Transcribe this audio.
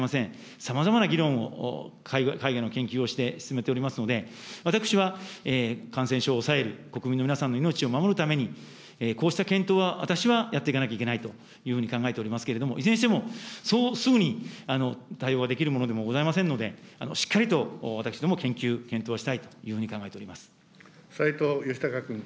さまざまな議論を海外の研究をして進めておりますので、私は、感染症を抑える、国民の皆さんの命を守るために、こうした検討は私はやっていかなきゃいけないというふうに考えておりますけれども、いずれにしても、そうすぐに対応ができるものでもございませんので、しっかりと私ども研究、検討したいというふうに考えておりま斎藤嘉隆君。